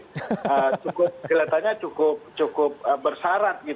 keliatannya cukup bersarat